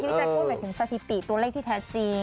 ที่หิวจำพูดเรียกถึงสถิติตัวเลขที่แท้จริง